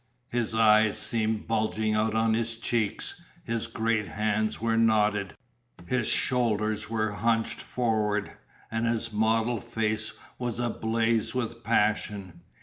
His eyes seemed bulging out on his cheeks; his great hands were knotted; his shoulders were hunched forward, and his mottled face was ablaze with passion.